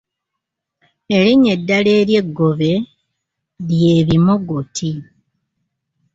Erinnya eddala ery’eggobe lye bimogoti.